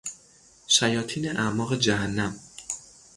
شیاطین اعماق جهنم